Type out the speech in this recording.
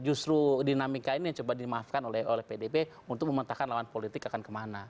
justru dinamika ini yang coba dimaafkan oleh pdp untuk memetakkan lawan politik akan kemana